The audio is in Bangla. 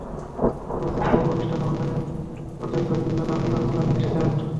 নবাবগঞ্জ থেকে অপূর্ব মিষ্টান্ন ভান্ডারের অজয় ঘোষ বিভিন্ন ধরনের রসগোল্লা নিয়ে এসেছেন।